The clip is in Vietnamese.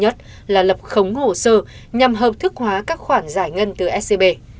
cơ quan điều tra xác định là lập khống hồ sơ nhằm hợp thức hóa các khoản giải ngân từ scb